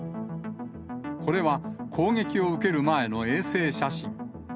これは攻撃を受ける前の衛星写真。